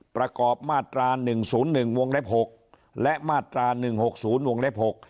ประกอบมาตรา๑๐๑วงเล็บ๖และมาตรา๑๖๐วงเล็บ๖